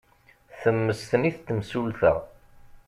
Temmesten-it temsulta.